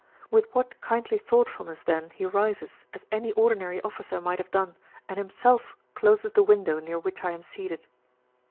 With what kindly thoughtfulness, then, he rises, as any ordinary officer might have done, and himself closes the window near which I am seated.